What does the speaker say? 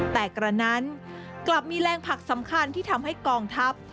แต่กระนั้นกลับมีแรงผลักสำคัญที่ทำให้กองทัพ